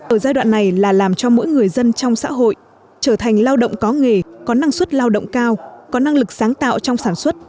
ở giai đoạn này là làm cho mỗi người dân trong xã hội trở thành lao động có nghề có năng suất lao động cao có năng lực sáng tạo trong sản xuất